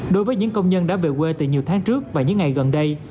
đối với những công nhân đã về quê từ nhiều tháng trước và những ngày gần đây